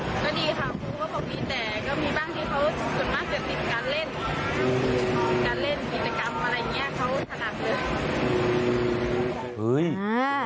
ก็มีบ้างที่เขาส่วนมากเกี่ยวกับการเล่นการเล่นกิจกรรมอะไรอย่างเงี้ยเขาถนัดด้วย